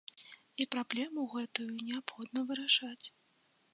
І праблему гэтую неабходна вырашаць.